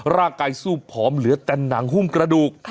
ร่างกายสู้ผอมเหลือแต่หนังหุ้มกระดูก